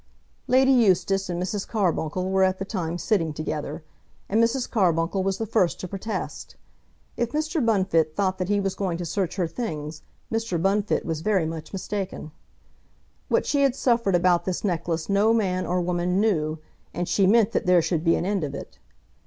Lady Eustace and Mrs. Carbuncle were at the time sitting together, and Mrs. Carbuncle was the first to protest. If Mr. Bunfit thought that he was going to search her things, Mr. Bunfit was very much mistaken. What she had suffered about this necklace no man or woman knew, and she meant that there should be an end of it.